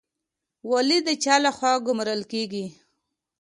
والي د چا لخوا ګمارل کیږي؟